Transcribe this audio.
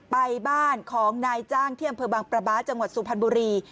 ไปบ้านของนายจ้างเที่ยงเผือบางประบาทจังหวัดสุพันธ์บุรี